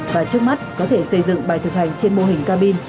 và trước mắt có thể xây dựng bài thực hành trên mô hình cabin